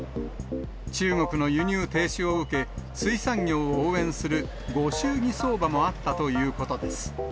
中国の輸入停止を受け、水産業を応援するご祝儀相場もあったということです。